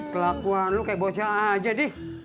kelakuan lu kayak bocah aja deh